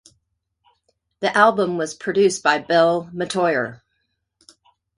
The album was produced by Bill Metoyer.